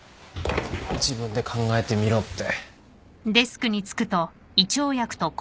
自分で考えてみろって。